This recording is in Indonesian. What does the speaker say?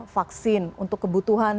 vaksin untuk kebutuhan